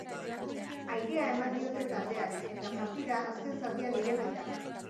Airea eman diote taldeari, eta partida azken zatian ireki da.